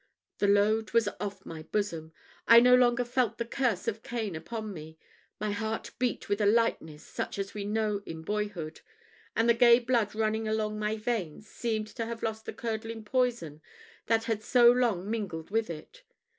The load was off my bosom I no longer felt the curse of Cain upon me my heart beat with a lightness such as we know in boyhood; and the gay blood running along my veins seemed to have lost the curdling poison that had so long mingled with it.